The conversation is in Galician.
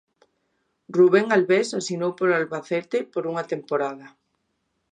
Rubén Albés asinou polo Albacete por unha temporada.